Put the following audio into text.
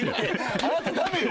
あなたダメよ